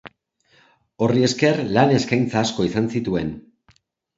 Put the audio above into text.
Horri esker lan eskaintza asko izan zituen.